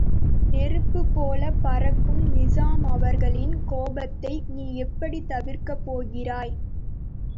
நெருப்புப்போல பறக்கும் நிசாம் அவர்களின் கோபத்தை நீ எப்படித் தவிர்க்கப் போகிறாய்?